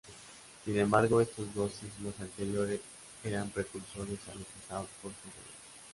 Sin embargo, estos dos sismos anteriores eran precursores a lo que estaba por suceder.